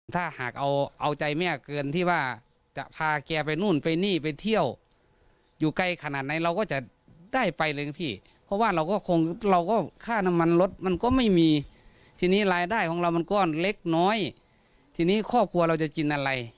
ถ้าหากเอาเอาใจแม่เกินที่ว่าจะพาแกไปนู่นไปนี่ไปเที่ยวอยู่ไกลขนาดไหนเราก็จะได้ไปเลยนะพี่เพราะว่าเราก็คงเราก็ค่าน้ำมันรถมันก็ไม่มีทีนี้รายได้ของเรามันก็เล็กน้อยทีนี้ครอบครัวเราจะกินอะไร